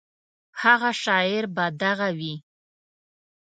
هغه شاعر به دغه وي.